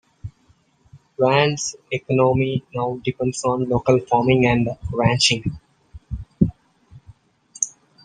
Wann's economy now depends on local farming and ranching.